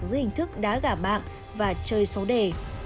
dưới hình thức đá gả mạng và chơi xấu đề